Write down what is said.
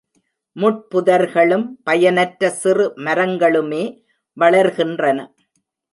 முட்பு தர்களும், பயனற்ற சிறு மரங்களுமே வளர்கின்றன.